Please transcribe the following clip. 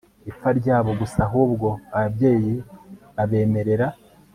ipfa ryabo gusa ahubwo ababyeyi babemerera